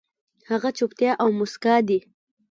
هغه چوپتيا او موسکا دي